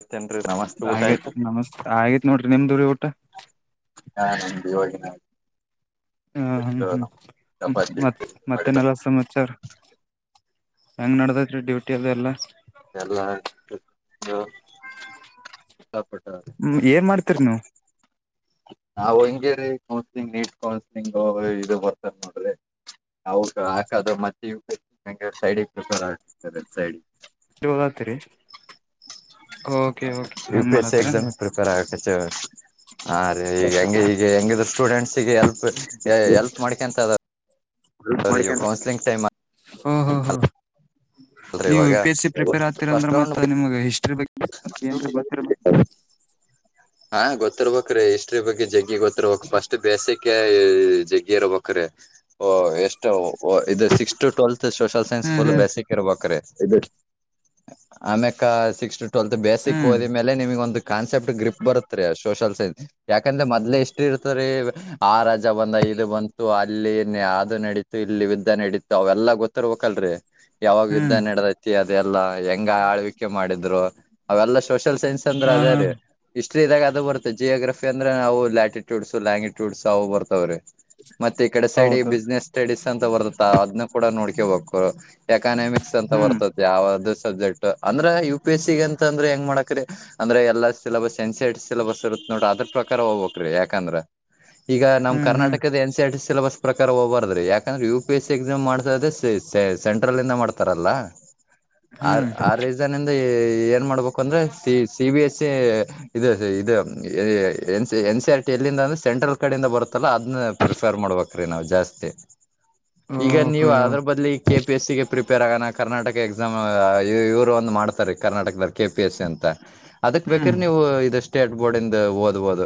ಮತ್ತೇನ್ರಿ ನಮಸ್ತೆ ಊಟ ಹಾಗೈತ್ ಆಯ್ತು [unintelligible] ನಮಸ್ ಆಗೇತ್ ನೋಡ್ರಿ ನಿಮ್ದೂರಿ ಊಟ [unintelligible] ಹ ಇದು ಹ್ಮ್ ನಮ್ ಹ್ಮ್ ಚಪಾತಿ ಮತ್ ಮತ್ತೆ ಮಾಡಿದ ನೆಲ್ಲ ಸಮಾಚಾರ. ಹೆಂಗ್ ನಡದೈತ್ರಿ ಡ್ಯೂಟಿ ಅದೆಲ್ಲ. ಎಲ್ಲ [unintelligible] ಹ್ಮ ಏನ್ ಮಾಡ್ತೀರಿ ನೀವು. ಅವ್ ಹಂಗೆ ರೀ ಕೌನ್ಸ್ಲಿಂಗ್ ನೀಟ್ ಕೌನ್ಸ್ಲಿಂಗ್ ಇ ಬರ್ತಾರ ನೋಡ್ರಿ. ಹೌದಾ ಹಂಗಾದ್ರ ಮತ್ತೆ ಹೆಂಗರ ಸೈಡಿ ಇಟ್ಟಿರ್ತಾರ ಅನಸ್ತಿದೆ ಸೈಡ. ನೀವು ಓದಾತ್ತೀರಿ. ಓಕೆ ಓಕೆ ಯು ಹಂಗ ಪಿ ಎಸ್ ಸಿ ಮಾಡಾತ್ತಿರೆನ. ಎಕ್ಸಾಮ್ ಪ್ರಿಪೇರ್ ಆಗಕತ್ತೇವ ಹಾ ರೀ ಈಗ ಹೆಂಗೆ ಈಗ ಹೆಂಗಿದ್ರು ಸ್ಟೂಡೆಂಟ್ಸ್ಗೆ ಹೆಲ್ಪ್ ಹೆಲ್ಪ್ ಮಾಡ್ಕೊಂತದ. ಯುಸ್ ಮಾಡ್ಕೊಂಡ ಹೊ ಹೊ ಅಲ್ರಿ ನೀವು ಇವಾಗ U P S C prepare ಆಗ್ತಿರ ಅಂದ್ರ ಫಸ್ಟ್ ರೌಂಡ್ ಮತ್ತೆ ನಿಮಗ ಹಿಸ್ಟರಿ ಬಗ್. ಆ ದೇವರಿಗೆ ಗೊತ್ತಿರ್ತಿತ್ತ. ಹಾ ಗೊತ್ತಿರ್ಬೇಕ ಹಿಸ್ಟರಿ ಬಗ್ಗೆ ಜಗ್ಗಿ ಗೊತ್ತಿರ್ಬೇಕ ಫಸ್ಟ್ ಬೇಸಿಕ ಜಗ್ಗಿ ಇರ್ಬೇಕ ರೀ. ಒ ಎಷ್ಟವು ಇದು six to twelfth social science full hmm basic ಇರ್ಬೇಕರಿ ಆಮ್ಯೇಕ ಸಿಕ್ಸ್ ಟ್ವೆಲ್ತ್ ಬೇಸಿಕ್ ಹ್ಮ್ ಹ್ಮ್ ಓದಿದ್ಮೇಲೆ ನಿಮ್ಗ ಒಂದು ಕಾನ್ಸಪ್ಟ್ ಗ್ರಿಪ್ ಬರುತ್ತತ್ರಿ ಸೋಷಲ್ ಸೈನ್ಸ್. ಯಾಕಂದ್ರೆ ಮೊದ್ಲೇ ಹಿಸ್ಟರಿ ಇರ್ತದರಿ ಆ ರಾಜಾ ಬಂದಾ ಇದು ಬಂತು. ಲ್ಲಿ ನೇ ಯಾದು ನಡೀತು ಇಲ್ಲಿ ಯುದ್ಧ ನಡೀತು ಅವೆಲ್ಲಾ ಗೊತ್ತಿರಬೇಕಲಂಡ್ರಿ ಯಾವಾಗ ಯುದ್ಧ ಹ್ಮ್ ನಡದೈ. ತ್ತಿ ಅದೆಲ್ಲಾ ಹೆಂಗ ಆಳ್ವಿಕೆ ಮಾಡಿದ್ರು ಅವೆಲ್ಲಾ ಸೋಷಲ್ ಸೈನ್ಸ್ ಅಂದ್ರ ಹಾ ಅದೇ ಹಾ ರೀ. ಹಿಸ್ಟ್ರಿದಾಗ ಅದು ಬತ್ತೆ ಜಿಯೋಗ್ರಫಿ ಅಂದ್ರ ನಾವು ಲ್ಯಾಟ್ಯಡ್ಸ್ ಲ್ಯಾಗಟ್ಯೂಡ್ಸ್ ಅವು ಬರ್ತವ್ರೀ. ಮತ್ತೆ ಈ ಕಡೆ ಸೈಡಿಗೆ ಹೌದು ಬಿಸ್ನೆಸ್ ಸ್ಟಡೀಸ್ ಅಂತ ಬರುತಾವ ಅದ್ನ ಕೂಡ ನೋಡ್ಕೇಬೇಕು. ಎಕಾನಾಮಿಕ್ಸ್ ಅಂತ ಹ್ಮ್ ಬರ್ತದ. ಯಾವ್ದು ಸಬ್ಜೆಕ್ಟ್ ಅಂದ್ರೆ ಯು ಪಿ ಎಸ್ ಸಿ ಅಂತ ಅಂದ್ರೆ ಹೆಂಗ ಮಾಡಕ್ರಿ ಅಂದ್ರೆ ಎಲ್ಲಾ ಸಿಲೆಬಸ್. ಏನಸೆನ್ಸೆಡ್ ಸಿಲೆಬಸ್ ಇರುತ್ತ ನೋಡ್ರ ಅದ್ರ ಪ್ರಕಾರ ಹೋಗ್ಬೇಕ ರೀ ಯಾಕಂದ್ರ. ಈಗ ನಮ್ಮ ಹ್ಮ್ ಹ್ಮ್ ಕರ್ನಾಟಕದ ಎನ್ ಸಿ ಆಡಿಸ್. ಸಿಲೆಬಸ್ ಪ್ರಕಾರ ಹೋಗಬಾರದ್ರಿ ಯಾಕಂದ್ರ U P S C exam ಮಾಡ್ಸೆ ಸೆಂಟ್ರಲ್ಂದ ಮಾಡ್ತಾರಲ್ಲ. [inaudible] ಆ ಆ ರೀಸನಿಂದ ಏನ್ ಮಾಡ್ಬೇಕು ಅಂದ್ರ C C B S C. ಇದ ಇದ N C N C R T ಎಲ್ಲಿಂದ ಅಂದ್ರ ಸೆಂಟ್ರಲ್ ಕಡೆಯಿಂದ ಬರುತ್ತಲ್ಲ ಅದ್ನ. ಪ್ರಿಪೇರ್ ಮಾಡ್ಬೇಕ್ರೀ ನಾವು ಜಾಸ್ತಿ ಈಗ ಓಕೆ ನೀವು ಅದ್ರ ಬದ್ಲಿ. ಕೆ ಪಿ ಎಸ್ ಸಿ ಗೆ ಪ್ರಿಪೇರ್ ಆಗಣ ಕರ್ನಾಟಕ ಎಕ್ಸಾಮ್ ಇವರು ಒಂದು ಮಾಡ್ತಾರೆ ಕರ್ನಾಟಕದಾಗ. ಕೆ ಪಿ ಎಸ್ ಸಿ ಅಂತ ಅದಕ ಬೇಕರ ಹ್ಮ್ ನೀವು ಇದು ಸ್ಟೇಟ್ ಬೋರ್ಡಂದ ಓದಬೋದು.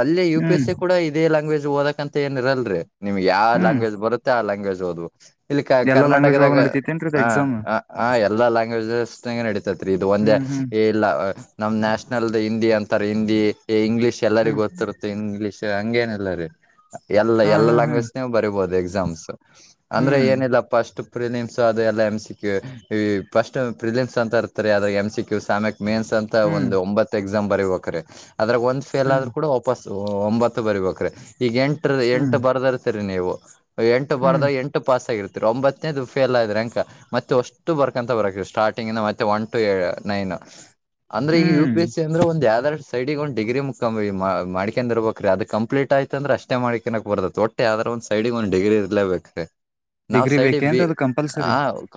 ಅಲ್ಲಿ U P hmm S C ಕೂಡ ಇದೇ ಲಯಾಂಗ್ವೇಜ್ ದ ಓದಕ ಅಂತ ಏನ ಇರಲ ರಿ ನಿಮ್ಗೆ ಹ್ಮ್ ಯಾವಲ್ಯಾಂಗ್ವೇಜ್ ಬರತ್ತ. ತ್ತ ಆ ಲ್ಯಾಂಗ್ವೇಜ್ ಒದು ಇಲ್ಲಿಕ ಎಲ್ಲಾ ಲ್ಯಾಂಗ್ವೇಜ್ ಒಳಗ ಕರ್ನಾಟಕದಾಗ ನಡಿತೈತೇನ್ರೀ ಇದ ಹ ಎಕ್ಸಾಮ್ ಹ ಹ ಎಲ್ಲಾ ಲ್ಯಾಂಗ್ವೇಜಸ್ ನಡೀತೈತ್ ರೀ ಇದು ಒಂದೇ ಹ್ಮ್ ಹ್ಮ್ ಇಲ್ಲ ನಮ್ಮ ನ್ಯಾಷನಲ್ದ ಹಿಂದಿ. ಅಂತಾರ ಹಿಂದಿ ಇಂಗ್ಲೀಷ್ ಎಲ್ಲರಿಗ ಹ್ಮ್ ಗೊತ್ತಿರುತ್ತೆ ಇಂಗ್ಲೀಷ್ ಹಂಗೇನೆಲ್ಲರಿ. ಎಲ್ಲ ಹಾ ಎಲ್ಲಾ ಹಾ ಹ್ಮ್ ಲ್ಯಾಂಗ್ವೇಜ್ನ್ಯಾಗ ಬರಿಬಹುದು ಎಕ್ಸಾಮ್ಸ್ ಅಂದ್ರೆ ಹ್ಮ್ ಏನಿಲ್ಲ. ಫಸ್ಟ್ ಪ್ರಿಲಿಮ್ಸ್ ಅದು ಎಲ್ಲ ಎಮ್ ಸಿಕ್ ಫಸ್ಟ್ ಪ್ರಿಲಿಮ್ಸ್ ಅಂತ ಇರ್ತಾರೆ ಅದ ಎಮ್ ಸಿ ಸ್ಯಕ್. ಮೇನ್ಸ್ ಅಂತ ಹ್ಮ್ ಒಂದ ಒಂಬತ್ ಎಕ್ಸಾಮ್ ಬರಿಬೇಕ್ರಿ ಅದ್ರಾಗ ಒಂದ್ ಫೇಲ್ ಹ್ಮ್ ಆದ್ರೂ ಕೂಡ ವಾಪಸ್ ಒಂಬತ್ತು ಬರಿಬೇಕ್ರಿ ಈಗ ಎಂಟ ಹ್ಮ್ ಎಂಟು ಬರ್ದಿರ್ತೀರಿ ನೀವು. ಎಂಟು ಹ್ಮ್ ಬರದಾಗ ಎಂಟು ಪಾಸ್ ಆಗಿರ್ತೀರ ಒಂಬತ್ತತ್ನೇದು ಫೇಲ್ ಆದ್ರೆ ಹೆಂಗ. ಮತ್ತೆ ವಷ್ಟು ಬರ್ಕಂತ ಬರಬೇಕ ಸ್ಟಾರ್ಟಿಂಗಿಂದ ಮತ್ತೆ ಒನ್ ಟು ನೈನ್. ಅಂದ್ರೆ ಈಗ U hmm P S C ಅಂದ್ರ ಒಂದ ಯಾದರ. ಸೈಡಿಗೆ ಒಂದ ಡಿಗ್ರಿ ಮುಗೀಸ್ಕೊಂಡ ಮಾಡಿಕೊಂಡನ್ ಇರ್ಬೇಕ್ರೀ ಅದು ಕಂಪ್ಲೀಟ್ ಆಯತ ಅ್ರ ಅಷ್ಟೇ ಮಾಡಿಕೆಣಕ ಬರ್ತಾ ಒಟ್ಟ. ಟ್ಟ ಯಾವದ್ರ ಒಂದ್ ಸೈಡ್ಗೆ ಒಂದ್ ಡಿಗ್ರಿ ಇರ್ಲೇಬೇಕ. ಡಿಗ್ರಿ ಬೇಕೆಂಡ್ರಿ ಅದ ಕಂಪಲ್ಸರಿ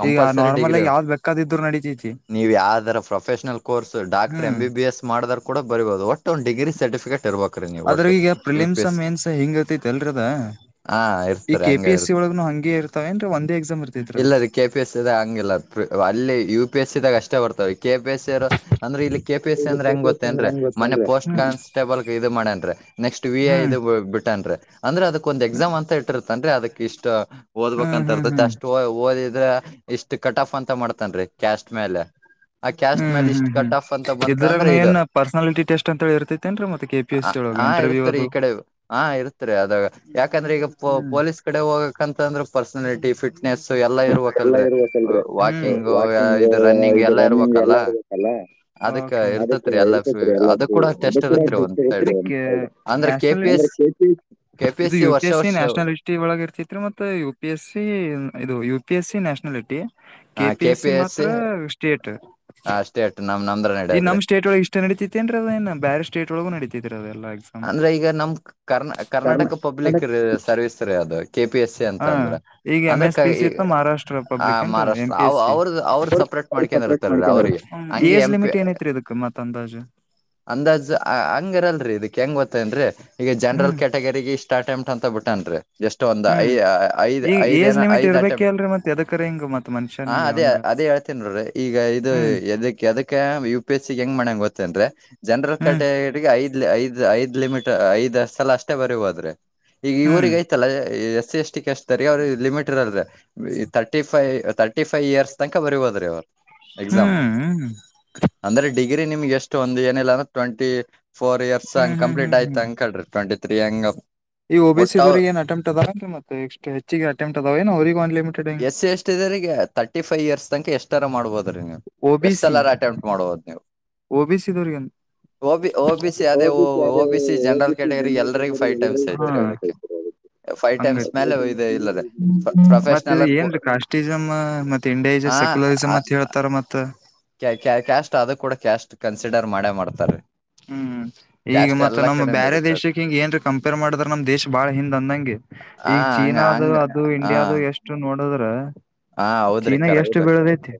ಈಗ ನಾರ್ಮಲ್ ಆಗಿ ಯಾವ್ದ್ ಬೇಕಾದಿದ್ರು ನಡೀತೀತಿ. ನೀವು ಯಾವ್ದರ professional course doctor M hmm B S. ಮಾಡಾದೋರ ಕೂಡ ಬರಿಬಹದು ಒಟ್ಟ ಒಂದು ಡಿಗ್ರಿ ಸರ್ಟಫಿಕೇಟ್ ಇರಬೇಕ. ಅದ್ರಿಗ ಈಗ ಪ್ರಲಿಂ ಮೇನ್ಸ ಹಿಂಗತಿ ಅಲ್ಲಡ್ರಿ ಅದ. ಹಾ ಇರ್ ಈ ಕೆ ಪಿ ಎಸ್ಸಿ ಒಳಗ್ನು ಹಂಗೆ ಇರ್ತವೆನ್ರಿ ಒಂದೇ ಎಕ್ಸಾಮ್ ಇರ್ತೈತ್ರಿ ಅದು. ಇಲ್ಲರೀ ಕೆ ಪಿ ಎಸೀದಾಗ ಹಾಂಗಿಲ್ಲದ ಅಲ್ಲಿ ಯು ಪಿ ಎಸ್ ಸಿದಾಗ ಅಷ್ಟೇ ಬರ್ತವ ಕೆ ಪಿ ಎಸ್ ಸಿರ ಅಂದ್ರ ಇಲ್ಲಿ ಕೆ. ಪಿ ಎಸಿ ಇಲ್ಲಿ ಅಂದ್ರ ಕೆ ಪಿ ಹೆಂಗೊತ್ತ. ಎಸ್ ಸಿ ಅಂದ್ರೆ ತ್ತೆನ್ರಿ ಹೆಂಗ್ ಮನ್ನೆ ಗೊತ್ತೇನ್ರಿ ಪೋಸ್ಟ್ ಹ್ಮ್ ಕಾನ್ಸ್ಟೇಬಲ್ಕ ಇದ ಮಾಡ್ಯನ್ರಿ ನೆಕ್ಸ್ಟ್ ವಿ ಅಯ್ ದು ಹ್ಮ್ ಬಿಟ್ಟನ್ರಿ. ಅಂದ್ರ ಅದಕ್ಕ ಒಂದ ಎಕ್ಸಾಮ್ ಅಂತ ಇಟ್ಟಿರ್ತನ್ರಿ ಅದಕ್ ಇಷ್ಟ್ ಹ್ಮ್ ಓದ್ಬೇಕಂತ ಇರ್ತತಿ ಹ್ಮ್ ಅಷ್ಟು ಓ ಓದಿದ್ರ. ಇಷ್ಟ್ ಕಟಾಫ್ ಅಂತ ಮಾಡ್ತನ್ರಿ ಕ್ಯಾಸ್ಟ್ ಮೇಲೆ. ಆ ಕ್ಯಾಸ್ಟ್ ಮ್ಯಾಲ ಇಷ್ಟ್ ಕಟಾಫ್ ಅಂತ ಬಂತಂದ್ರ ಇದು. ಪರ್ನಾಲಿಟಿಟೆಸ್ಟ್ಂತ ಇರ್ತೈತಿ. ತೆನ್ರಿ ಮತ್ ಹ ಹಾ ಇರ್ತರಿ ಈ ಕಡೆ ಹಾ ಇರ್ತರಿ ಅದಾಗ ಯಾಕಂದ್ರೆ ಈಗ ಪೊ ಹ್ಮ್ ಪೊಲೀಸ್. ಈ ಕಡೆ ಹೋಬೇಕಂತಂದ್ರ ಪರ್ಸನಾಲಿಟಿ ಫಿಟ್. ಎಲ್ಲಾ ಇರ್ಬೇಕಲ್ರಿ ವಾಕಿಂಗ್ ವಾಕಿಂಗ್ ಇದು ರನ್ನಿಂಗ್ ಇದು ಎಲ್ಲಾ ರನ್ನಿಂಗ್ ಇರ್ಬೇಕಲ್ಲ ಎಲ್ಲಾ ಇರ್ಬೇಕ. ಲ್ಲ ಅದಕ್ ಅದಕ್ಕೆ ಇರ್ತತ್ರಿ ಎಲ್ಲ ಅದ ಕೂಡ ಟೆಸ್ಟ್ ಇರತ್ರಿ ಒಂದ್ ಸೈಡ್ ಇದಕ್ಕೆ ಅಂದ್ರೆ ಕೆ ನ್ಯಾಷಲ್ ಪಿ ಎಸ್ [unintelligible] ಇದು U P S C national. [unintelligible] ಒಳಗ ಇರ್ತಿತ್ರಿ ಮತ್ತೆ ಯು ಪಿ ಎಸ್ ಸಿ ಇದು U P S C nationality. K P S C ಮಾತ್ರ ಸ್ಟೇಟ್. ಹ ಅಷ್ಟೇ ಅಟ್ ನಮ್ನನಂದ್ರ ನಡ್ಯದ್ರಿ. ಸ್ಟೆ ನಡಿತಿತ್ ಏನ್ರಿ ಅದು ಏನ್ ಬ್ಯಾರೆ ಸ್ಟೇಟ್ ಒಳ್ಗು ನಡಿತಿತ್ರಿ ಅದ ಎಲ್ಲಾ ಎಕ್ಸಾಮ್. ಅಂದ್ರ ಈಗ ನಮ್ಕ. ಕರ್ನ್ ಕರ್ನಾಟಕ ಪಬ್ಲಿಕ್ ಸರ್ವಿಸ್ ರೀ ಅದ ಕೆ ಪಿ ಎಸ್ಸಿ ಹಾ ಅಂತಂದ್ರ. ಈಗ M S. P C Maharashtra ಪಬ್ಲಿಕೆನ್ರಿದ ಎಂ ಮಹಾರಾಷ್ಟ್ರ ಪಿ ಅವ ಎಸ್ಸಿ ಅವ್ರದ ಅವ್ರ ಸಪ್ರೇಟ್ ಮಾಡ್ಕೊಂಡ್ ಸಪ್ರೆಟ್ ಇರ್ತಾರೀ ಮಾಡಿಕೆಂದರ. ಅವ್ರಿಗೆ ಹ್ಮ್ ಹಂಗೆ ಏಜ್ ಎಂ ಪಿ ಲಿಮಿಟ್ ಏನೈತ್ರಿ ಇದಕ್ ಮತ್ತ ಅಂದಾಜ. ಅಂದಾಜ್ ಹ ಹಂಗ ಇರಲ್ರಿ ಇದಕ್ ಹೆಂಗ್ ಗೊತ್ತೇನ್ರಿ ಈಗ ಜನರಲ್ ಹ್ಮ್ ಕೆಟ್ ಕೆಟಗೆರಿಗಿ ಸ್ಟಾಟ್ ಎಮ್ಟ್ ಅಂತ ಬಿಟ್ಟನ್ರಿ. ಎಷ್ಟು ಒಂದು ಐ ಹ್ಮ್ ಐದ್ ಈಗ ಏಜ್ ಐದೆನ ಲಿಮಿಟ್ ಐದ್ ಅಟೆ ಇರ್ಬೇಕ ಅಲ್ರರಿ ಮತ್ ಎದಕರ ಹಿಂಗ ಮತ್ ಮನುಷ್ಯನ್ಗ ಅದೇ ಹಂಗ ಅದೇ ಹೇಳ್. ತ್ತೇನರಿ ಈಗ ಇದು ಹ್ಮ್ ಎದಕೆದಕ್. ಯು ಪಿ ಎಸ್ಸಿ ಗ ಹೆಂಗ್ ಮಾಡ್ಯನ್ ಗೊತ್ತೇನ್ರಿ ಜನರಲ್ ಹ್ಮ್ ಕ್ಯಾಟಗ್ಯಟಿಗ್ ಐದ ಲೆ ಐದ. ಐದ್ ಲಿಮಿಟ್ ಐದ್ ಸಲ ಅಷ್ಟೇ ಬರಿಬೋದ್ರಿ ಈಗ ಈ ಹ್ಮ್ ಊರಿಗ್ ಐತಲ್ಲ ಎಸ್ಸಿ ಎಸ್ಟಿ ತರಿ ಅವರೀಗ ಲಿಮಿಟ್ ಇರಲ್ಲರಿ thirty five thirty five years ತಂಕ ಬರಿಬೋದ್ರೀ ಅವ್ರು. ಹ್ಮ್ಮ್. ಅಂದ್ರ ಡಿಗ್ರಿ ನಿಮ್ಗ ಎಷ್ಟ ಒಂದ ಏನಿಲ್ಲ ಅಂದ್ರ ಟ್ವೆಂಟಿ ಫೋರ್ ಇಯರ್ಸ್ ಹ್ಮ್ ಹಂಗ್ ಹ್ಮ್ ಕಂಪ್ಲೀಟ್ ಹ್ಮ್ ಹ್ಮ್ ಆಯ್ತ ಅಂಕಳ್ರಿ. ಟ್ವೆಂಟಿ ತ್ರೀ ಹಂಗಾ. ಈ ಓ ಬಿ ಸಿ ದವ್ರೀಗ ಏನ್ ಅಟೆಂಪ್ಟ್ ಅದಾವ ಏನ್ರಿ ಮತ್ ಎಕ್ಸಟ್ರ ಹೆಚ್ಚಿಗ ಅಟೆಂಪ್ಟ್ ಅದವೇನು ಅವ್ರಿಗೂ ಅನ್ ಲಿಮಿಟೆಡ್ ಹಿಂಗ. ತಿದೆರಿಗ್ಯ ತರ್ಟಿ ಫೈವ ಇಯರ್ಸ್ತಂಕ ಎಷ್ಟರ ಮಾಡ್ಬೋದರಿ ನೀವು. ಓ ಬಿ ಎಷ್ಟ್ ಸಿ ಸಲಾರ ಅಟೆಂಪ್ಟ್ ಮಾಡ್ಬೋದು ನೀವು ಓ ಬಿ ಸಿ ದವ್ರಿಗ O B O B C ಅದೇ O B C general category ಎಲ್ಲರಿಗೂ ಫೈವ್ ಟೈಮ್ಸ್ ಹ್ಮ. ಐತ್ರಿ ಅದಕ್ಕೆ ಫೈವ್ ಹಂಗ ಟೈಮ್ಸ್ ಮೇಲೆ ಇದು ಇಲ್ಲದೆ ಮತ್ತ ಇದ ಪ್ರೊಫೆಷನಲ್ ಏನ್ಲೆ ಕಾಸ್ಟಿಜಮ್ ಮ ತಿಂಡೇಜ ಸೆಕ್ಯುಲರಿಜಮ್ ಅತ್ ಹೇಳ್ತಾರ ಮತ್ತ. ಕ್ಯಾ ಕ್ಯಾ ಕ್ಯಾಸ್ಟ್ ಅದ ಕೂಡ ಕ್ಯಾಸ್ಟ್ ಕನ್ಸಿಡರ್ ಮಾಡೇ ಮಾಡ್ತಾರೀ. ಹ್ಮ್ ಈಗ ಮತ್ತ ನಮ್ಮ್ ಬ್ಯಾರೆ ದೇಶಕ್ಕ ಹಿಂಗ ಎನ್ರೆ ಕಂಪೇರ್ ಮಾಡಿದ್ರ ನಮ್ ದೇಶ್ ಬಾಳ ಹಿಂದ್ ಅಂದಂಗೆ. ಆ ಈಗ ಹಂಗ ಚೀನಾದು ಹಂಗ ಅದು ಹಾ ಇಂಡಿಯಾದು ಎಷ್ಟು ನೋಡುದ್ರ. ಹಾ ಹೌದ್ರಿ ಚೀನಾ ಎಷ್ಟ ಕರೆಕ್ಟ್ ಬೆಳದೈತಿ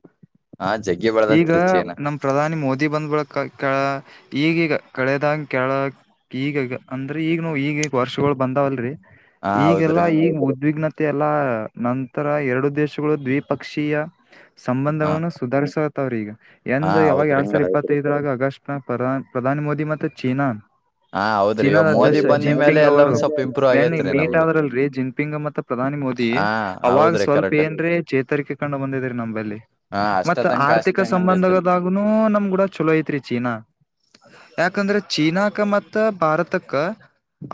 ಹಾ ಜಗ್ಗಿ ಈಗ ಬೆಳದತ್ರಿ ಚೀನಾ ನಮ್. ಪ್ರಧಾನಿ ಮೋದಿ ಬಂದ್ಬಿಳ ಕೆ ಈಗೀಗ ಕಳೆದಂಗೆ ಕೆಳಗ ಈಗ ಈಗ ಅಂದ್ರೆ ಈಗನು ಈಗ ಈಗ ವರ್ಷಗಳು ಬಂದಾವಲ್ರೀ ಹಾ ಹೌದ್ರಿ ಈಗೆಲ್ಲಾ ಈಗ ಉದ್ವಿಗ್ನ ಮತ್ ಎಲ್ಲ ನಂತರ ಎರಡು ದೇಶಗಳು ದ್ವಿಪಕ್ಷೀಯ ಹ ಸಂಬಂಧಗಳನ್ನು ಸುದರ್ಶತ್ ಅವ್ರೀಗ ಹಾ ಎಂದ ಯಾವಾಗ ಹೌದ್ರಿ ಎರಡು ಸಾವಿರ ಕರೆಕ್ಟ್ ಇಪ್ಪತ್ತು ಇದರಾಗ ಅಗಸ್ಟ್ ನ ಪರ ಪ್ರಧಾನಿ ಮೋದಿ ಮತ್ತೆ ಚೀನಾ ಹಾ ಹೌದ್ರಿ ಇವ ಚೀನಾದ ಮೋದಿ ಅಧ್ಯಕ್ಷ ಬಂದಿ ಮೇಲೆ ಜಿನ್ಪಿಂಗ್ ಎಲ್ಲ ಅವರು ಒಂದ್ ಸ್ವಲ್ಪ ಇಂಪ್ರೂವ್ ಮೆನ್ ಆಗೇತ್ರಿ ಮೀಟ್ ನಮ್ದು ಆದ್ರಲ್ರಿ ಜಿನ್ಪಿಂಗ್ ಮತ್ತೆ ಪ್ರಧಾನಿ ಮೋದಿ ಹಾ ಅವಾಗ ಹೌದ್ರಿ ಸ್ವಲ್ಪ ಕರೆಕ್ಟ್ ಏನ್ರ ಚೇತರಿಕೆ ಕಂಡು ಬಂದಿದ್ರಿ ನಂಬಲ್ಲಿ ಹಾ ಅಷ್ಟ ಮತ್ತ ತನಕ ಆರ್ಥಿಕ ಅಷ್ಟೇ ಹಂಗಂದಿದ್ದಿಲ್ ಸಂಬಂಧದಾಗನು ನಮ್ಗೂಡ ಚಲೋ ಐತ್ರಿ ಚೀನಾ ಯಾಕಂದ್ರೆ ಚೀನಾಕ ಮತ್ತ ಭಾರತಕ್ಕ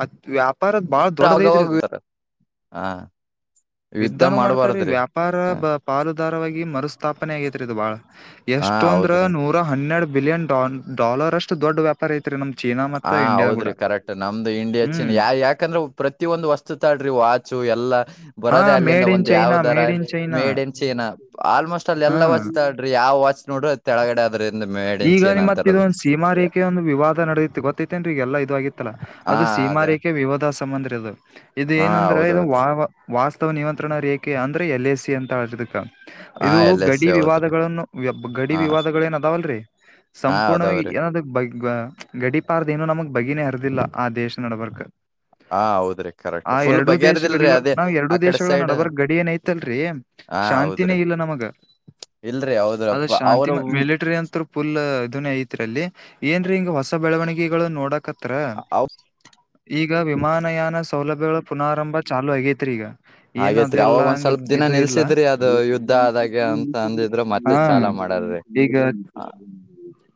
ಅತ್ ವ್ಯಾಪ್ ಪರ ಬಾಳ ದೊಡ್ದ ಐತ್ರಿ ಅದು ಅವಾಗವಾಗ ಹಾ ಯುದ್ಧ ಯುದ್ದಾನ ಮಾಡ್ತಾರೀ ಮಾಡ್ಬಾರ್ದ್ರಿ ವ್ಯಾಪಾರ ಬ ಪಾಲುದಾರವಾಗಿ ಮರುಸ್ಥಾಪನೆ ಆಗೇತ್ರಿ ಇದು ಬಾಳ ಹಾ ಎಷ್ಟೊಂದ್ರ ಹೌದ್ರಿ ನೂರ ಹನ್ನೆರಡು ಬಿಲಿಯನ್ ಡಾಲ ಡಾಲರ್ ಅಷ್ಟು ದೊಡ್ಡ ವ್ಯಾಪ್ ಇ [unintelligible] ನಮ ಚೀನ ಹ ಹೌದ್ರಿ ಕರೆಕ್ಟ್ ನಮ್ದು ಇಂಡಿಯಾ ಚೀನ್ ಹ್ಮ್ ಯ ಯಾಕಂದ್ರ ಪ್ರ ಪ್ರತಿ ಒಂದು ವಸ್ತು ತಾಡ್ರಿ ವಾಚು ಎಲ್ಲಾ ಹಾ ಬರೋದೆ ಅಲ್ಲಿಂದ ಮೇಡ್ ಇನ್ ಒಂದ್ ಚೈನಾ ಯಾವದರ made in China made in China almost ಅಲ್ಲಿ ಹಾ ಎಲ್ಲಾ ವಸ್ತಾ ರೀ ಯಾವ ವಾಚ್ ನೋಡ್ರ ಕೆಳಗಡೆ ಅದ್ರಿಂದ ಮೇಡ ಇನ್ ಚೀನಾ ಅಂತರದು ಕೆ ಒಂದು ವಿವಾದ ನಡದಿತ್ತು ಗೊತ್ತಿತ್ತೇಂದ್ರಿ ಈಗ ಎಲ್ಲಾ ಇದು ಆಗತ್ತಲ್ಲ ಹಾ ಅದು ಸೀಮಾ ಅದೇ ರೇಖೆ ವಿವಾದ ಸಂಬಂಧ್ರಿ ಅದು ಇದು ಹಾ ಏನಂದ್ರೆ ಇದು ಹೌದೌದು ವಾ ವಾಸ್ತವ ನಿಯಂತ್ರಣ ರೇಖೆ ಅಂದ್ರೆ ಎಲ್ ಎ ಸಿ ಅಂತ ಹೇಳದಕ್ಕ ಹಾ ಇದು ಎಲ್ ಎಸ್ ಗಡಿ ಸಿ ಹೌದ್ರಿ ವಿವಾದಗಳನ್ನುಯಾಪ್ ಗಡಿ ಹಾ ವಿವಾದಗಳೇನ ವಲ್ರಿ [unintelligible] ಹಾ ಅದಾವ್ರಿ ಸಂಪೂರ್ಣವಾಗಿ ಬಗ್ ಗಡಿಪಾರ್ದ ಏನು ನಮಗ್ ಬಗನೇ ಹರದಿಲ್ಲ ಆ ದೇಶ ನಡಬರ್ಕ್ ಹಾ ಹೌದ್ರಿ ಕರೆಕ್ಟ್ ಆ ಫುಲ್ ಎರಡೂ ದೇಶ ಬಗೆರ್ದಿಲ್ರಿ ಗಡಿಗಳು ಅದೇ ನಾವ್ ಎರಡೂ ಆ ಕಡೆ ದೇಶಗಳ ಸೈಡ್ ನಡಬರ್ ಗಡಿ ಏನ ಐತಲ್ರಿ ಶಾಂತಿನೇ ಇಲ್ಲ ನಮಗ ಇಲ್ರರಿ ಹೌದ್ರಪ್ಪ ಅವ್ರ ಅಂತ ಫುಲ್ ಇದನ್ನೇ ಐತ್ರಿ ಅಲ್ಲಿ ಏನ್ ರೀ ಹಿಂಗ ಹೊಸ ಬೆಳವಣಿಗೆಗಳು ನೋಡಕ ತ್ರ ಅವ್ ಈಗ ವಿಮಾನಯಾನ ಸೌಲಭ್ಯಗಳ ಪುನಾರಂಭ ಚಾಲೂ ಆಗೇತ್ರಿ ಈಗ ಏನ್ ಹಾಗೇತ್ರಿ ಅವಾಗ ಅದೆಲ್ಲಾ ಒಂದ್ ಹಂಗ ಸ್ವಲ್ಪ ದಿನ ಇದು ಇಲ್ಲ ನಿಲ್ಸಿದ್ರಿ ಅದು ಯುದ್ಧ ಆದಾಗ ಅಂತ ಹ ಈಗ ಹಾ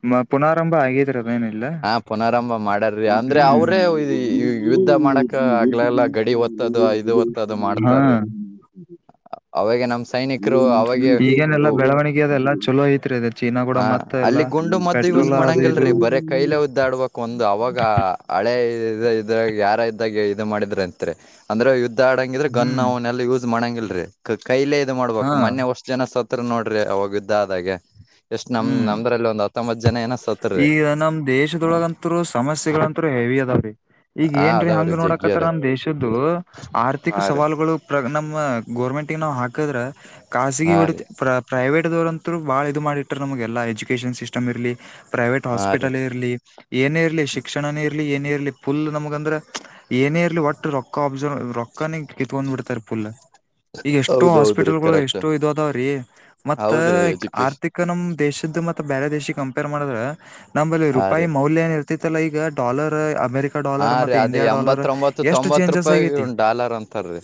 ಮ ಪುನಾರಂಭ ಆಗಿದರ ನಲ್ಲ್ಮ ಹಾ ಪುನರಂಭ ಮಾಡಾರ್ರಿ [unintelligible] ಅಂದ್ರೆ ಅವ್ರೇ ಇ- ಇ- ಯುದ್ಧ ಮಾಡಕ್ ಆಗ್ಲೆಲ್ಲ ಗಡಿ ಒತ್ತದು ಇದು ಒತ್ತದು ಹ ಮಾಡ್ತಾರ್ರಿ ಅವಾಗ ನಮ್ ಸೈನಿಕರು ಈಗನೆ ಅವಾಗೆ ಎಲ್ಲಾ ಬೆಳವಣಿಗೆದೆ ಅದ ಎಲ್ಲಾ ಚಲೋ ಐತ್ರಿ ಅ ಚಿ ದಿನ ಕೂಡ ಹ ಮತ್ತೆ ಎಲ್ಲ ಅಲ್ಲಿ ಗುಂಡು ಮದ್ದು ಯೂಸ್ ಪೆಟ್ರೋಲ್ ಅದು ಇದು ಮಾಡಂಗಿಲ್ರಿ ಬರೇ ಕೈಲೆ ಉದ್ದಾಡ್ಬೇಕಕ್ ಒಂದು ಅವಾಗ ಹಳೆ ಇದ ಇದ್ರಾಗ ಯಾರ ಇದ್ದಾಗ ಯುದ್ಧ ಮಾಡಿದ್ರ ಅಂತರಿ ಅಂದ್ರೆ ಯ್ಧ ಆಡಂಗಿದ್ರೆ ಗನ್ ಹ್ಮ್ ಎಲ್ಲ ಯೂಸ್ ಮಾಡಂಗಿಲ್ರಿ ಕೈಲೇ ಇದು ಹಾ ಮಾಡ್ಬೇಕು ಮನೆಷ್ಟು ಜನ ಸತ್ತ ನೋಡ್ರಿ ಅವಾಗ ಯುದ್ಧ ಇಂದಿಗೆ ಎಷ್ಟ್ ನಮ್ ಹ್ಮ್ ನಮ್ದ್ರಲ್ಲಿ ಒಂದ್ ಹತ್ತೊಂಬತ್ತು ಜನ ಏನ ಸತ್ರಿ ಈಗ ನಮ್ ದೇಶದೊಳಗಂತರು ಸಮಸ್ಯೆಗಳಂತರು ಹೆವಿ ಅದಾವ ಈಗ ಹಾ ಏನ್ರೀ ಹಂಗ ಅದಾವ್ರಿ ಜಗ್ಗಿ ನೋಡಕತ್ತರ ಅದ ನಮ್ಮ್ ದೇಶದ್ದು ಆರ್ಥಿಕ ಹಾ ರೀ ಸವಾಲುಗಳು ಪ್ರ ನಮ್ಮ ಗೋರ್ಮೆಂಟ್ಗ ನಾವು ಹಾಕಿದ್ರ ಖಾಸಗಿ ಹಾ ಹೊಡೆ ರೀ ಪ್ರ ಪ್ರೈವೇಟ್ ದವ್ರಂತರು ಬಾಳ ಇದು ಮಾಡಿಟ್ಟ್ರ ನಮಗೆ ಎಲ್ಲ ಎಜುಕೇಶನ್ ಸಿಸ್ಟಮ್ ಇರ್ಲಿ ಪ್ರೈವೇಟ್ ಹಾ ರೀ ಹಾಸ್ಪಿಟಲ್ ಇರ್ಲಿ ಏನೇ ಇರ್ಲಿ ಶಿಕ್ಷಣನೇ ಇರ್ಲಿ ಏನ ಇರ್ಲಿ ಫುಲ್ ನಮಗಂದ್ರ ಏನೇ ಇರ್ಲಿ ಒಟ್ಟು ರೊಕ್ಕ ಒಬ್ಸರ್ವ್ ರೊಕ್ಕನೆ ಕಿತ್ಕೊಂಡ್ ಬಿಡ್ತಾರೆ ಫುಲ್. ಈಗ ಎಷ್ಟೋ ಹೌದೌದ್ರಿ ಹಾಸ್ಪಿಟಲ್ ಗಳು ಕರೆಕ್ಟ್ ಎಷ್ಟು ಇದ ಅದಾವ್ರೀ ಮತ್ತ ಹೌದ್ರಿ ಎಜುಕೇಶನ್ ಆರ್ಥಿಕ್ ಕ ನಮ್ ದೇಶದ ಮತ್ತ ಬೇರೆ ದೇಶ ಕಂಪೇರ್ ಮಾಡಿದ್ರ ನಮ್ಮಲ್ಲಿ ಹಾ ರೂಪಾಯಿ ರೀ ಮೌಲ್ಯನೆ ಇರ್ ತಿತಲ್ಲ ಈಗ ಡಾಲರ್ ಅಮೆರಿಕ್ ಹಾ ಡಾಲರ್ ರೀ ಮತ್ತೆ ಅದೇ ಇಂಡಿಯಾ ಡಾಲರ್ ಎಂಬತ್ತೊಂಬತ್ತು ಎಷ್ಟು ತೊಂಬತ್ ಚೇಂಜಸ್ ರೂಪಾಯಿ ಆಗೈತಿ. ಡಾಲರ್ ಅಂತಾರೀ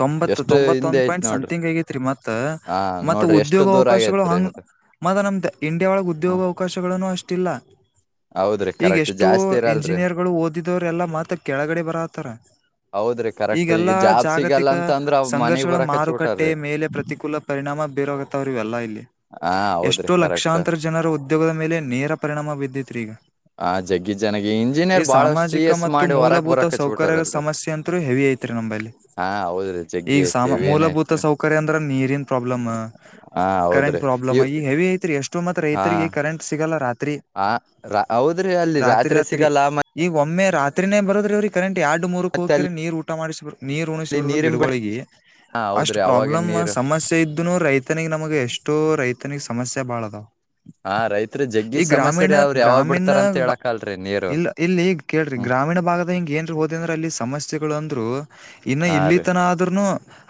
ತೊಂಬತ್ ಎಷ್ಟು ತೊಂಬತ್ತೊಂದ ಹಿಂದೆ ಐತ್ ಪಾಯಿಂಟ್ ನೋಡ್ರಿ ಸಮ್ಥಿಂಗ್ ಆಗೈತ್ರಿ ಮತ್ ಹಾ ಮತ್ ನೋಡ್ರಿ ಎಷ್ಟು ಉದ್ಯೋಗ ದೂರ ಅವಕಾಶಗಳು ಆಗೇತ್ರಿ ಹಂಗ್ ಅದು ಮತ್ ನಮ್ದ ಇಂಡಿಯಾ ಒಳಗ್ ಉದ್ಯೋಗ ಹ್ಮ್ ಅವಕಾಶಗಳನು ಅಷ್ಟಿಲ್ಲ. ಹೌದ್ರಿ ಈಗ ಕರೆಕ್ಟ್ ಎಷ್ಟು ಜಾಸ್ತಿ ಇರಲ್ರಿ ಇಂಜಿನಿಯರ್ಗಳು ಓದಿದವರೆ ಎಲ್ಲ ಮತ್ತ ಕೆಳಗಡೆ ಬರತ್ತಾರ. ಹೌದ್ರಿ ಕರೆಕ್ಟ್ ಈಗ ಈಗೆಲ್ಲಾ ಜಾಬ್ ಸಿಗಲ್ಲ ಜಾಗತಿಕ ಅಂತ ಅಂದ್ರ ಅವ್ ಮನಿಗ್ ಸಂಘರ್ಷಗಳ ಬರಕ್ ಹಚ್ಚಿ ಮಾರುಕಟ್ಟೆ ಬಿಟ್ಟಾರ್ರಿ ಮೇಲೆ ಪ್ರತಿಕೂಲ ಪರಿಣಾಮ ಬಿರೋಗತ್ತ ಅವ್ರ ಎಲ್ಲಾ ಇಲ್ಲಿ ಹಾ ಹೌದ್ರಿ ಎಷ್ಟೋ ಕರೆಕ್ಟ್ ಲಕ್ಷಾಂತರ ಜನರು ಉದ್ಯೋಗದ ಮೇಲೆ ನೇರ ಪರಿಣಾಮ ಬಿದ್ದೈತ್ರಿ ಈಗ. ಆ ಜಗ್ಗಿ ಜನಗೆ ಈ ಇಂಜಿನಿಯರ್ ಬಾಳ ಸಿ ಸಾಮಾಜಿಕ ಎಸ್ ಮತ್ತು ಮಾಡಿ ಹೊರಕ್ ಮೂಲಭೂತ ಬರಕ್ ಹಚ್ಚಿ ಸೌಕರ್ಯದ್ ಬಿಟ್ಟಾರಲ್ರಿ ಸಮಸ್ಯೆ ಅಂತ್ರು ಹೆವಿ ಐ ತ್ರಿ ನಂಬಲ್ಲಿ ಹಾ ಹೌದ್ರಿ ಜಗ್ಗಿ ಈಗ ಐತಿ ಸಾಮ್ ಏನೇ ಮೂಲಭೂತ ಐತ್ರಿ ಸೌಕರ್ಯ ಅಂದ್ರ ನೀರಿನ್ ಪ್ರಾಬ್ಲಮ್ಮ ಹಾ ಕರೆಂಟ್ ಹೌದ್ರಿ ಪ್ರಾಬ್ಲಮ ಇವ್ ಈ ಹೆವಿ ಐತ್ರಿ ಎಷ್ಟು ಮತ್ ರೈತರಿಗೆ ಕರೆಂಟ್ ಸಿಗಲ್ಲ ರಾತ್ರಿ ಹ ಹೌದ್ರಿ ಅಲ್ಲಿ ರಾತ್ರಿ ಸಿಗಲ್ಲ ಮ ಈಗ ಒಮ್ಮೆ ರಾತ್ರಿನೇ ಬರೋದ್ರಿ ಅವ್ರಿ ಕರೆಂಟ್ ಎರಡು ಮೂರಕ್ ಮತ್ತೆ ಹೋಗಕ್ರೆ ನೀರ್ ಊಟ ಮಾಡಿಸಿ ನೀರ್ ಉಣಿಸಿ ಅಲ್ಲಿ ಬರ್ಬೇಕು ನೀರಿನ್ ಬಿ ಗಿಡಗೊಳಿಗೆ ಹಾ ಅಷ್ಟ್ ಹೌದ್ರಿ ಅವಾಗ ಪ್ರಾಬ್ಲಮ್ ನೀರು ಸಮಸ್ಯೆ ಇದ್ದುನು ರೈತನಿಗೆ ನಮಗೆ ಎಷ್ಟೋ ರೈತನಿಗೆ ಸಮಸ್ಯೆ ಬಾಳದಾವ್. ಹಾ ರೈತ್ರಿ ಜಗ್ಗಿ ಸಮಸ್ಯ ರೀ ಅವ್ರು ಯಾವಾಗ್ ಗ್ರಾಮೀಣ ಬಿಡ್ತಾರಂತ ಬ- ಹೇಳಕಾಗಲ್ರಿ ನೀರು. ಇಲ್ಲ ಇಲ್ಲಿ ಕೇಳ್ರಿ ಹ್ಮ್ ಗ್ರಾಮೀಣ ಭಾಗದ ಹಿಂಗ ಏನ್ರ್ ಹೋದ ಅಂದ್ರೆ ಅಲ್ಲಿ ಸಮಸ್ಯೆಗಳು ಅಂದ್ರು ಇನ್ನು ಹಾ ಇಲ್ಲಿ ರೀ ತನ ಆದ್ರೂನೂ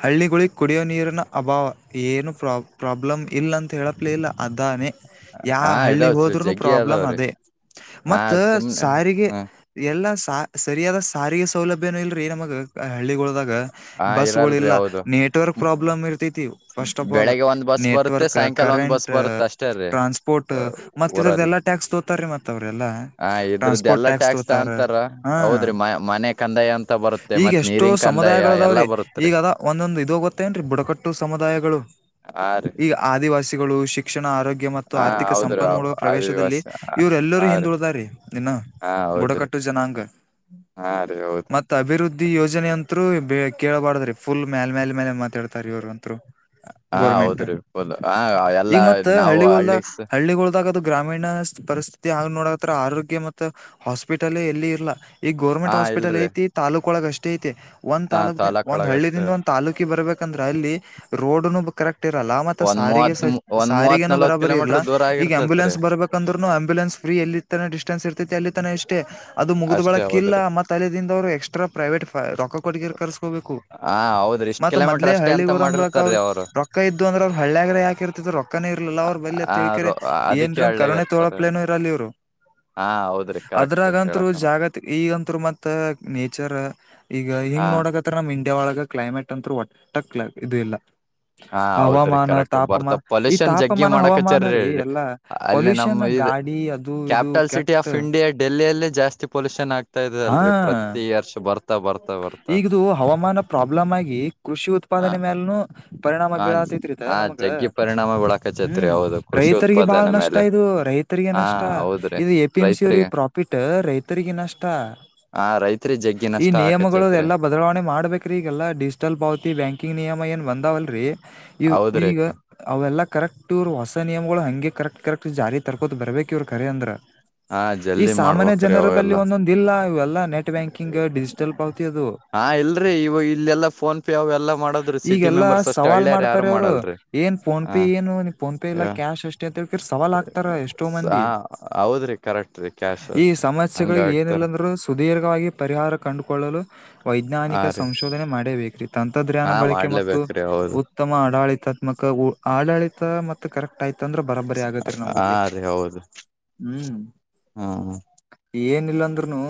ಹಳ್ಳಿಗಳಿಗೆ ಕುಡಿಯೋ ನೀರಿನ ಅಭಾವ ಏನು ಪ್ರಾಬ್ ಪ್ರಾಬ್ಲಮ್ ಇಲ್ಲ ಅಂತ ಹೇಳಪ್ಲೇ ಇಲ್ಲ ಅದಾನೇ ಯಾ ಹಾ ಹಳ್ಳಿಗ್ ಇದಾವ್ರಿ ಹೋದ್ರುನು ಜಗ್ಗಿ ಪ್ರಾಬ್ಲಮ್ ಅದಾವ್ರಿ ಅದೇ ಹಾ ಮತ್ತ ಸುಮ್ನೆ ಸಾರಿಗೆ ಹ್ಮ ಎಲ್ಲಾ ಸ ಸರಿಯಾದ ಸಾರಿಗೆ ಸೌಲಭ್ಯನು ಇಲ್ರಿ ನಮಗ ಹಳ್ಳಿಗಳದಾಗ ಹಾ ಬಸ್ಗಳು ಇರಲ್ರಿ ಇಲ್ಲ ಹೌದು ನೆಟ್ವರ್ಕ್ ಪ್ರಾಬ್ಲಮ್ ಇರ್ತೈತಿ. ಫಸ್ಟ್ ಆಫ್ ಆಲ್ ಬೆಳಿಗ್ಗೆ ಒಂದ್ ಬಸ್ ಬರುತ್ತೆ ನೆಟ್ವರ್ಕ್ ಸಾಯಂಕಾಲ ಒಂದ್ ಬಸ್ ಕರೆಂಟ್ ಬರುತ್ತೆ ಅಷ್ಟೇ ರೀ ಟ್ರಾನ್ಸ್ ಟ್ ಮತ್ ಇದ್ರದ್ ಊರಲ್ಲಿ ಎಲ್ಲ ಟ್ಯಾಕ್ಸ್ ತೋತಾರೀ ಮತ್ ಅವ್ರೆಲ್ಲಾ ಹ ಇದ್ರದ್ದ ಟ್ರಾಸ್ಪೋರ್ಟ್ ಎಲ್ಲಾ ಟ್ಯಾಕ್ಸ್ ತೋಗ್ ತಾರ ಅಂತಾರ ಹಾ ಹೌದ್ರಿ ಮ ಮನೆ ಕಂದಾಯ ಅಂತ ಬರುತ್ತೆ ಈಗ ಮತ್ ಎಷ್ಟೋ ನೀರಿನ್ ಕಂದಾಯ ಎಲ್ಲಾ ಸಮುದಾಯಗಳದಾವ್ರಿ ಬರುತ್ರಿ ಈಗದ ಒಂದೊಂದಿದಾವ್ ಗೊತ್ತೆನ್ರಿ ಬುಡಕಟ್ಟು ಸಮುದಾಯಗಳು ಹಾ ರಿ ಈ ಆದಿವಾಸಿಗಳು ಶಿಕ್ಷಣ ಆರೋಗ್ಯ ಮ ಮತ್ತು ಹಾ ಆರ್ಥಿಕ ಹೌದ್ರಿ ಸಂಪನ್ಮೂಲ ಪ್ರವೇಶದಲ್ಲಿ ಆದಿವಾಸ ಇವ್ರ್ ಎಲ್ಲಾರೂ ಹಾ ರೀ ಹಿಂದುಳ್ದಾರಿ ಇನ್ನ ಹಾ ಹೌದ್ರಿ ಬುಡಕಟ್ಟು ಜನಾಂಗ ಹಾ ರೀ ಹೌದ್ ಮತ್ ಅಭಿವೃದ್ಧಿ ಯೋಜನೆ ಅಂತ್ರು ಬ ಕೇಳಬಾರ್ದ್ರಿ ಫುಲ್ ಮ್ಯಲ್ ಮ್ಯಾಲ್ ಮ್ಯಾಲೆ ಮಾತಾಡ್ತಾರಿ ಇವ್ರ್ ಅಂತ್ರು. ಹಾ ಹೌದ್ರಿ ಫುಲ್ ಹ ಎಲ್ಲಾ ನಾವು ಹಳ್ಳಿಸ್ ಹಳ್ಳಿಗಳೊಳದಾಗ ಅದು ಗ್ರಾಮೀಣಾಸ್ ಪರಿಸ್ಥಿತಿ ಹಾಗ್ ನೋಡತ್ರ ಆರೋಗ್ಯ ಮತ್ತ ಹಾಸ್ಪಿಟಲ್ ಎಲ್ಲಿ ಇರ್ಲ. ಈಗ ಹಾ ಗೌರ್ಮೆಂಟ್ ಹಾಸ್ಪಿಟಲ್ ಇಲ್ರಿ ಐತಿ ತಾಲೂಕು ಒಳಗ ಅಷ್ಟೇ ಐತಿ ಒಂದ ತಾಲುಕ್ ದ ತಾಲೂಕ್ ಒಂದ ಒಳಗ ಅಷ್ಟೇ ಹಳ್ಳಿದಿಂದ್ ಒಂದ್ ತಾಲ್ಲೂಕಿ ಬರಬೇಕಂದ್ರ ಅಲ್ಲಿ ರೋಡ್ನು ಕರೆಕ್ಟ್ ಟಿರಲ್ಲ ಮತ್ತ ಒಂದ್ ಸಾರಿಗೆ ಮೂವತ್ ಸ ಒಂದ್ ಮೂವತ್ ಸಾರಿಗೆ ನಲ್ವತ್ ಬರಬರಿ ಇರ್ಲ್ಲ ಕಿಲೋಮೀಟರ್ ದೂರ ಈಗ ಆಗಿರ್ತತ್ರಿ ಆಂಬ್ಯುಲೆನ್ಸ್ ಬ ಬರ್ಬೇಕಂದ್ರುನು ಆಂಬ್ಯುಲೆನ್ಸ್ ಫ್ರೀ ಎಲ್ಲಿತನ ಡಿಸ್ಟೇನ್ಸ್ ಇರ್ತತಿ ಅಲ್ಲಿ ತನ ಎಷ್ ಅಷ್ಟೇ ಅದು ಮುಗಿದ್ ಅಷ್ಟೇ ಬಳಕ್ ಇಲ್ಲ ಹೌದ್ರಿ ಮತ್ತ ತಲೆದಿಂದ ಅವ್ರು ಎಕ್ಸ್ಟ್ರಾ ಪ್ರೈವೇಟ್ ರೊಕ್ಕ ಕೊಟ್ಟಗಿರ್ ಕರ್ಸ್ಕೋಬೇಕು. ಹಾ ಹೌದ್ರಿ ಇಷ್ಟ್ ಮತ್ತ ಕಿಲೋಮೀಟರ್ ಮದ್ಲೇ ಅಷ್ಟೇ ಅಂತ ಹಳ್ಳಿಗುರ ಅಂದಕ ಮಾಡಿರ್ತಾರೀ ಅವ್ರಿ ಅವ್ರು ರೊಕ್ಕ ಇದ್ದು ಅಂದ್ರೆ ಅವ್ರ ಹಳ್ಳಿಯಾಗ್ರ ಯಾಕೆ ಇರ್ತಿದ್ರೊ. ಕನ ಇರ್ಲಿಲ್ಲ ಅವ್ರು ಬಲ್ಲಿ. ಆ ತಿಳ್ಕ ರೊ- ಅದಕ್ಕೆ ಏನ್ರ ಹಳ್ಳ್ಯಾಗ ಕರೋನೆ ಇರ್ತಾರ ತೊಳಪ್ಲೇನು ಇರಲ್ಲಿ ಇವ್ರು ಹಾ ಹೌದ್ರಿ ಕರೆಕ್ಟ್ ಅದ್ರಾಗತ್ರು ಹೇಳಕನ ಜಾಗ ಈಗಂತರು ಮತ್ತ ನೇಚರ್ ಈಗ ಹಾ ಹಿಂಗ್ ನೋಡಕ ನಮ್ ಇಂಡಿಯಾ ಒಳಗ ಕ್ಲೈಮೇಟ್ ಅಂತೂ ಒಟ್ಟ ಇದು ಇಲ್ಲ ಹಾ ಹೌದ್ರಿ ಹವಾಮಾನ ಕರೆಕ್ಟ್ ಬರ್ತ ತಾಪಮಾನ ಈ ಪೊಲ್ಯೂಷನ್ ಜಗ್ಗಿ ತಾಪಮಾನ ಹವಾಮಾನ ಮಾಡಕಚ್ಚಾರ್ರಿ ಇಲ್ಲಾರಿ ಎಲ್ಲಾ ಅಲ್ಲಿ ಪೊಲ್ಯೂಷನ್ ನಮ್ಮ ಇದ್ ಗಾಡಿ ಅದು ಇದು ಕ್ಯಾಪಿಟಲ್ ಸಿಟಿ ಕೆಟ್ಟ ಆಫ್ ಇಂಡಿಯಾ ಡೆಲ್ಲಿಯಲ್ಲಿ ಜಾಸ್ತಿ ಪೊಲ್ಯೂಷನ್ ಆಗ್ತಾ ಇದೆ ಹಾ ಅಲ್ರರಿ ಪ್ರತಿ ವರ್ಷ ಬರ್ತಾ ಬರ್ತಾ ಬರ್ತಾ ಈಗದು ಹವಾಮಾನ ಪ್ರಾಬ್ಲಮ್ ಆಗಿ ಕೃಷಿ ಹ ಉತ್ಪಾದನೆ ಮೇ ಪರಿಣಾಮ ಹ ಬೀಳಾತತಿರಿತೆ ಹ ನಮಗ ಜಗ್ಗಿ ಪರಿಣಾಮ ಬೀಳಕಚೈತ್ರಿ ಹ್ಮ್ ಹೌದು ಕೃಷಿ ರೈತರಿಗೆ ಬಾಳ ಉತ್ಪಾದನೆ ನಷ್ಟ ಮೇಲೆ ಇದು ರೈತರಿಗೆ ಹಾ ನಷ್ಟ ಹೌದ್ರಿ ಇದು ಎ ಪಿ ಎಂ ಸಿ ಅವರಿಗೆ ರೈತ್ರಿಗೆ ಪ್ರಾಪ ಪಿಟ್ಟ ರೈತರಿಗೆ ನಷ್ಟ ಹ ರೈತ್ರಿ ಜಗ್ಗಿ ನಷ್ಟ ಹಾಕತ್ತ ಎಲ್ಲ ಬದಲಾವಣೆ ಮಾಡ್ಬೇಕ್ರೀ ಈಗೆಲ್ಲಾ ಡಿಜಿಟಲ್ ಪಾವತಿ ಬ್ಯಾಂಕಿಂಗ್ ನಿಯಮ ಏನ್ ಬಂದಾವಲ್ರೀ ಇವ್ ಈಗ ಹೌದ್ರಿ ಅವೆಲ್ಲ ಕರೆಕ್ಟ್ ವಾಸ ನಿಯಮಗಳು ಹಂಗೆ ಕರೆಕ್ಟ್ ಕರೆಕ್ಟ್ ಜಾರಿ ತರ್ಕೋ್ ಬರ್ಬೇಕು ಇವ್ರ ಕರೆ ಅಂದ್ರ ಹಾ ಈ ಜಲ್ದಿ ಸಾಮಾನ್ಯ ಮಾಡ್ಬ್ರೀ ಜನರ ಬಲ್ಲಿ ಅವೆಲ್ಲ ಒಂದೊಂದ ಇಲ್ಲ ಇವೆಲ್ಲ ನೆಟ್ ಬ್ಯಾಂಕಿಂಗ್ ಡಿಜಿಟಲ್ ಪಾವತಿ ಅದು ಹಾ ಇಲ್ರರಿ ಇವ ಇಲ್ಲೆಲ್ಲಾ ಫೋನ್ ಪೇ ಅವೆಲ್ಲ ಮಾಡೋದ್ರಿ ಸಿಟಿ ಈಗೆಲ್ಲಾ ಮೆಂಬರ್ಸ್ ಅಷ್ಟ್ ಸವಾಲ್ ಹಳ್ಳ್ಯಾರ ಯಾರು ಮಾಡ್ತಾರೆ ಅವ್ರು ಮಾಡಲ್ರಿ ಏನ್ ಫೋನ್ ಹ ಪೇ ಏನು ಫೋನ್ಪೇ ಇಲ್ಲ ಕ್ಯಾಶ್ ಎಷ್ಟೇ ಅಂತಕರ್ ಸವಾಲ ಅಕ್ತಾರಾ ಎಷ್ಟೋ ಹ ಮಂದಿ ಹೌದ್ರಿ ಕರೆಕ್ಟ್ ರೀ ಕ್ಯಾಶ್ ಈ ಅಷ್ಟ ಹಂಗ ಸಮಸ್ಯೆಗಳಿಗೆ ಆಗ್ತಾರ ಏನಿಲ್ಲ ಸುದೀರ್ಘವಾಗಿ ಪರಿಹಾರ ಕಂಡುಕೊಳ್ಳಲು ಹಾ ವೈಜ್ಞಾನಿಕ ರೀ ಸಂಶೋಧನೆ ಮಾಡೇವೀಗ ತಂತ್ರದ್ರ್ಯಾನ ಹಾ ಬಳಕೆ ಮತ್ತು ಮಾಡ್ಲೇಬೇಕ್ರಿ ಹೌದು ಉತ್ತಮ ಆಡಳಿತಾತ್ಮಕ ಆಡಳಿತ ಮ ಕರೆಕ್ಟ್ ಆಯ್ತ ಅಂದ್ರೆ ಬರಬರಿ ಆಗತ್ತರಿ ಹಾ ನಂಬಲ್ಲಿ ರೀ ಹೌದು ಹ್ಮ್ ಹ್ಮ್ ಏನಿಲ್ಲಾಂದ್ರುನು